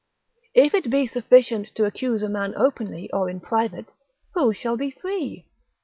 if it be sufficient to accuse a man openly or in private, who shall be free?